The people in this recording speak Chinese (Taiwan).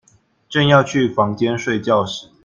正要去房間睡覺時